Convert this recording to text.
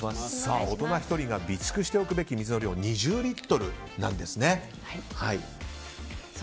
大人１人が備蓄しておくべき水の量は２０リットルなんです。